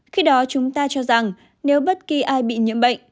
khi đó chúng ta cho rằng nếu bất kỳ ai bị nhiễm bệnh